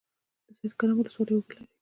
د سید کرم ولسوالۍ اوبه لري